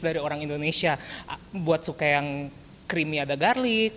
dari orang indonesia buat suka yang creamy ada garlic